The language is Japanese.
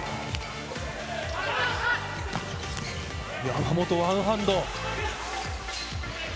山本、ワンハンド。